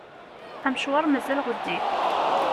Amecwar mazal ɣezzif.